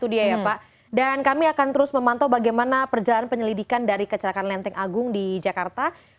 dan kami akan terus memantau bagaimana perjalanan penyelidikan dari kecelakaan lenteng agung di jakarta